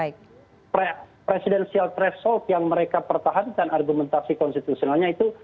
karena presidensial threshold yang mereka pertahankan argumentasi konstitusionalnya itu